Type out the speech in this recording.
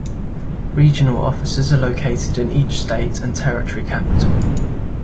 Regional offices are located in each state and territory capital.